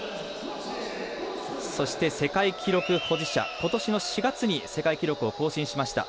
そして世界記録保持者今年の４月に世界記録を更新しました